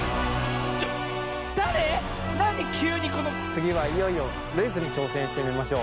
つぎはいよいよレースにちょうせんしてみましょう。